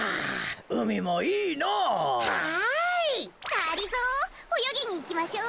がりぞーおよぎにいきましょう。